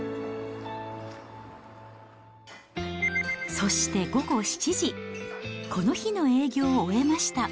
そして午後７時、この日の営業を終えました。